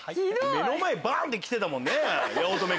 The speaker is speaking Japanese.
目の前バン！って来てたもんね。